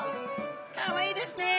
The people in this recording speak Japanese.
かわいいですね。